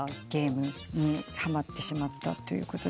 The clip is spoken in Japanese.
ゲームにはまってしまったと。